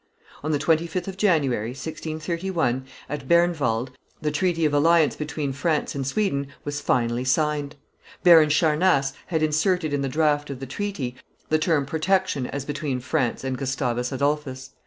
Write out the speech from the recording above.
On the 25th of January, 1631, at Bernwald, the treaty of alliance between France and Sweden was finally signed. Baron Charnace had inserted in the draft of the treaty the term protection as between France and Gustavus Adolphus.